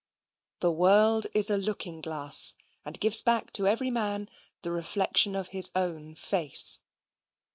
The world is a looking glass, and gives back to every man the reflection of his own face.